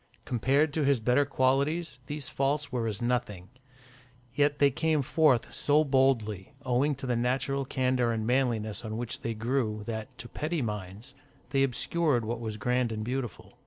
Compared to his better qualities, these faults were as nothing; yet they came forth so boldly, owing to the natural candour and manliness on which they grew, that, to petty minds, they obscured what was grand and beautiful.